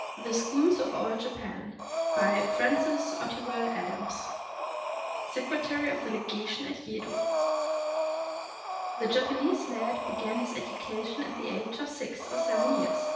THE SCHOOLS OF OLD JAPAN BY FRANCIS OTTIWELL ADAMS, SECRETARY OF THE LEGATION AT YEDO The Japanese lad began his education at the age of six or seven years.